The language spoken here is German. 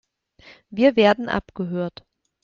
Wir werden abgehört.